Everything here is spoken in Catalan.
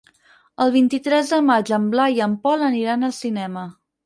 El vint-i-tres de maig en Blai i en Pol aniran al cinema.